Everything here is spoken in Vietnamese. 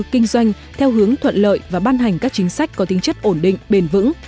kinh doanh theo hướng thuận lợi và ban hành các chính sách có tính chất ổn định bền vững